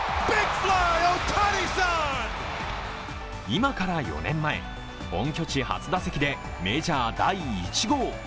今から４年前、本拠地初打席でメジャー第１号。